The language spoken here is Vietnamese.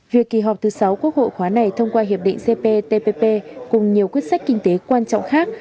việc kỳ họp thứ sáu quốc hội khóa này thông qua hiệp định cptpp cùng nhiều quyết sách kinh tế quan trọng khác